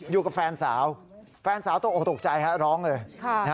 อยู่กับแฟนสาวต้องตกใจร้องเลย